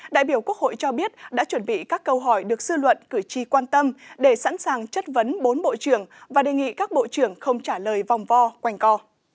đại biểu quốc hội cho biết đã chuẩn bị các câu hỏi được sư luận cử tri quan tâm để sẵn sàng chất vấn bốn bộ trưởng và đề nghị các bộ trưởng không trả lời vòng vo quanh co